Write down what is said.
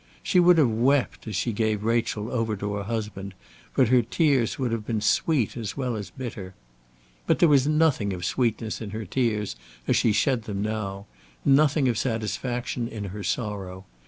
She would have wept as she gave Rachel over to a husband, but her tears would have been sweet as well as bitter. But there was nothing of sweetness in her tears as she shed them now, nothing of satisfaction in her sorrow.